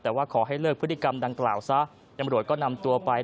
แต่ว่าขอให้เลิกพฤติกรรมดังกล่าวซะตำรวจก็นำตัวไป